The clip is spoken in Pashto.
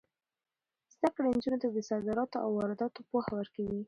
زده کړه نجونو ته د صادراتو او وارداتو پوهه ورکوي.